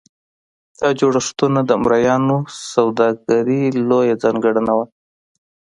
دا جوړښتونه د مریانو سوداګري لویه ځانګړنه وه.